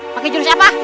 pakai jurus apa